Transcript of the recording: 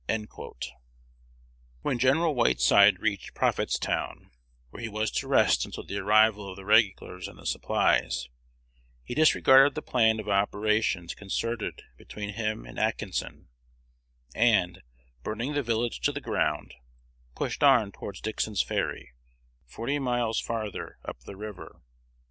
1 Ford's History of Illinois, chap. iv. When Gen. Whiteside reached Prophetstown, where he was to rest until the arrival of the regulars and the supplies, he disregarded the plan of operations concerted between him and Atkinson, and, burning the village to the ground, pushed on towards Dixon's Ferry, forty miles farther up the river.